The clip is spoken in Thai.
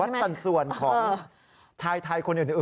วัดสัตว์ส่วนของทายคนอื่น